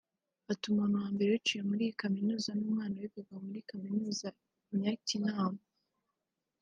Ati “Umuntu wa mbere wiciwe muri iyi Kaminuza ni umwana wigaga muri Kaminuza i Nyakinama